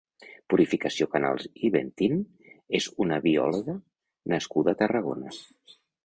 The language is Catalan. Purificació Canals i Ventín és una biòlega nascuda a Tarragona.